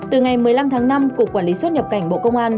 từ ngày một mươi năm tháng năm cục quản lý xuất nhập cảnh bộ công an